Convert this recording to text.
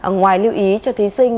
ngoài lưu ý cho thí sinh